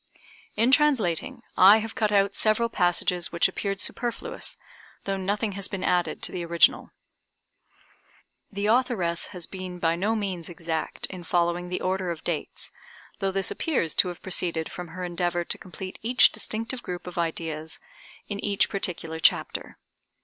In translating I have cut out several passages which appeared superfluous, though nothing has been added to the original. The authoress has been by no means exact in following the order of dates, though this appears to have proceeded from her endeavor to complete each distinctive group of ideas in each particular chapter.